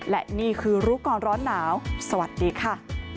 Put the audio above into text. และนี่คือรู้ก่อนร้อนหนาวสวัสดีค่ะ